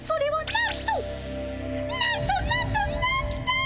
なんとなんとなんと！